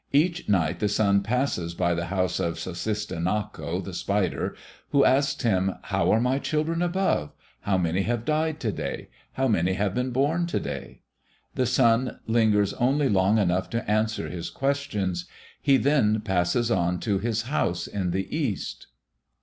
Each night the sun passes by the house of Sussistinnako, the spider, who asks him, "How are my children above? How many have died to day? How many have been born to day?" The sun lingers only long enough to answer his questions. He then passes on to his house in the east.